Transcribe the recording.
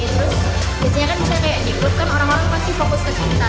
terus biasanya kan kita kayak diikut kan orang orang pasti fokus ke kita